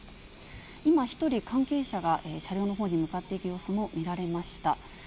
今、１人、関係者が車両のほうに向かっていく様子も見られました。